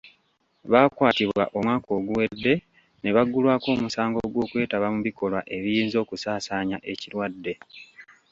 Baakwatibwa omwaka oguwedde ne baggulwako omusango gw'okwetaba mu bikolwa ebiyinza okusaasaanya ekirwadde.